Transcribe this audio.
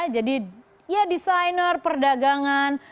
jadi ya desainer perdagangan